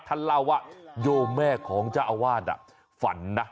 ท่านเล่าว่าโยมแม่ของเจ้าอาวาสฝันนะ